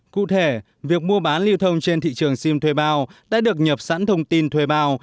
cụ thể việc mua bán lưu thông trên thị trường sim thuê bao đã được nhập sẵn thông tin thuê bao